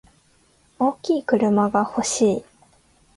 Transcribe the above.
大きい車が欲しい。